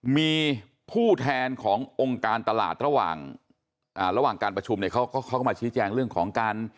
มีผู้แทนขององค์การตลาดระหว่างการประชุมเนี่ยเขาก็มาชี้แจงเรื่องของการ